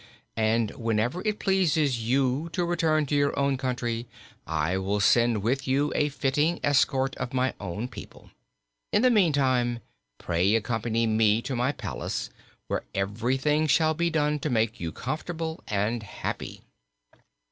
"And, whenever it pleases you to return to your own country, I will send with you a fitting escort of my own people. In the meantime, pray accompany me to my palace, where everything shall be done to make you comfortable and happy."